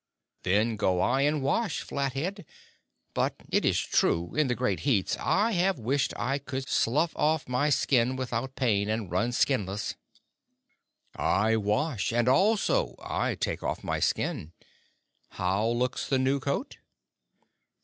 "Then go I and wash, Flathead; but, it is true, in the great heats I have wished I could slough my skin without pain, and run skinless." "I wash, and also I take off my skin. How looks the new coat?"